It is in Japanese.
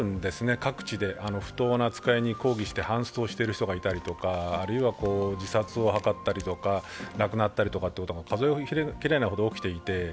各地で不当な扱いに抗議をしてハンストしている人がいたりとかあるいは自殺を図ったりとか亡くなったりということが数えきれないほど起きていて。